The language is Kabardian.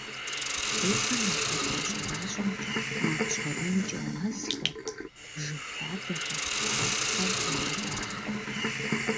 Бзухэм я теплъэ щӀэращӀэмкӀэ, макъ жьгърумкӀэ мэзхэр, жыг хадэхэр, паркхэр ягъэдахэ.